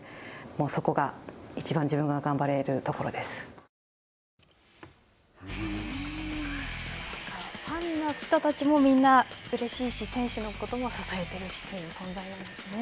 そこがいちばんファンの人たちもみんなうれしいし、選手のことも支えているしという存在なんですね。